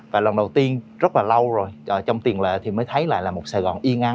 và lần đầu tiên rất là lâu rồi trong tiền lệ thì mới thấy lại là một sài gòn yên an